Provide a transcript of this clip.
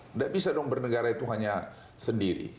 tidak bisa dong bernegara itu hanya sendiri